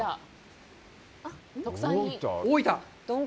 大分？